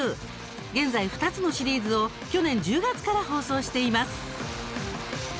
現在、２つのシリーズを去年１０月から放送しています。